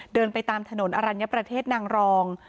เดินไปตามถนนอรัญญประเทศนางรอง